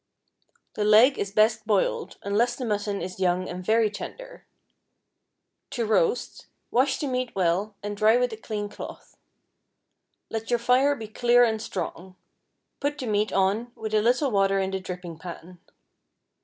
The leg is best boiled, unless the mutton is young and very tender. To roast—wash the meat well, and dry with a clean cloth. Let your fire be clear and strong; put the meat on with a little water in the dripping pan.